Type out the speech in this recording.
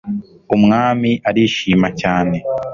umwami arishima cyane